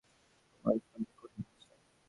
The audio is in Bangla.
বলেই কুমুর তখনই মনে হল কথাটা কঠিন হয়েছে।